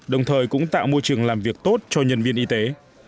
đồng thời cũng tạo môi trường làm việc tốt cho nhân viên y tế